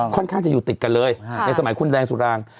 ค่อนข้างจะอยู่ติดกันเลยในสมัยคุณแดงสุราง